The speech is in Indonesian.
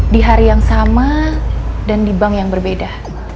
di hari yang sama dan di bank yang berbeda